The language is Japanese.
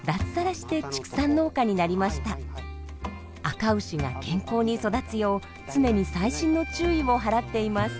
あかうしが健康に育つよう常に細心の注意を払っています。